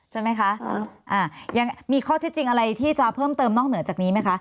ใช่ไหมคะอ่ายังมีข้อที่จริงอะไรที่จะเพิ่มเติมนอกเหนือจากนี้ไหมคะ